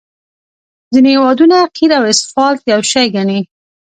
ځینې هیوادونه قیر او اسفالټ یو شی ګڼي